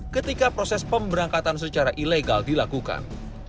ketika proses pemberangkatan secara ilegal dilakukan